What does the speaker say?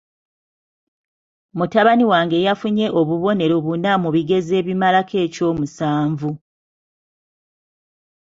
Mutabani wange yafunye obubonero buna mu bigezo ebimalako ekyomusanvu.